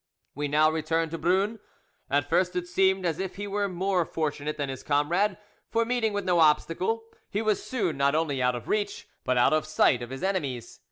We now return to Brun. At first it seemed as if he were more fortunate than his comrade; for, meeting with no obstacle, he was soon not only out of reach, but out of sight of his enemies.